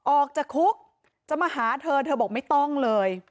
ออกจากคุกจะมาหาเธอเธอบอกไม่ต้องเลย